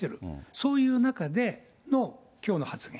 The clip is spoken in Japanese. そういう中でのきょうの発言。